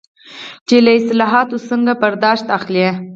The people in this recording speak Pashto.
چې له اصطلاحاتو څنګه برداشت اخلي.